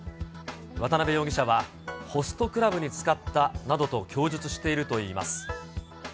渡辺容疑者は、ホストクラブに使ったなどと供述しているといいます。